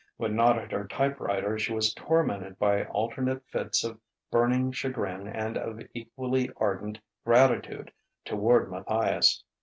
When not at her typewriter she was tormented by alternate fits of burning chagrin and of equally ardent gratitude toward Matthias.